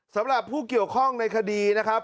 สำหรับผู้เกี่ยวข้องในคดีนะครับ